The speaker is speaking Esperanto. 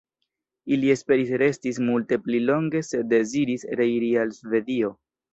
Ili esperis restis multe pli longe sed deziris reiri al Svedio.